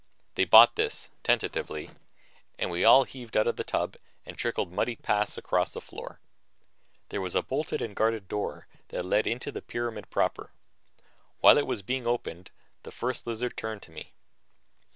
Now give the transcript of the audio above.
They bought this, tentatively, and we all heaved out of the tub and trickled muddy paths across the floor. There was a bolted and guarded door that led into the pyramid proper. While it was being opened, the First Lizard turned to me.